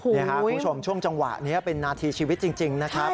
นี่ค่ะคุณผู้ชมช่วงจังหวะนี้เป็นนาทีชีวิตจริงนะครับ